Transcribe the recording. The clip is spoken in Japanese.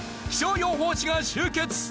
気象予報士が集結！